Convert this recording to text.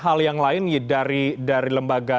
hal yang lain dari lembaga